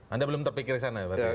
anda belum terpikir sana ya pak jk